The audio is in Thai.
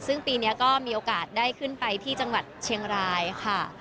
ซึ่งปีนี้ก็มีโอกาสได้ขึ้นไปที่จังหวัดเชียงรายค่ะ